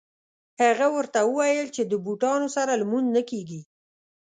هغه ورته وویل چې د بوټانو سره لمونځ نه کېږي.